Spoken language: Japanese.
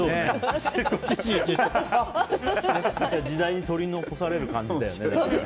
時代に取り残される感じだよね。